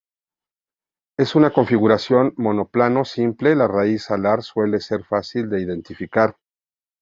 En una configuración monoplano simple, la raíz alar suele ser fácil de identificar.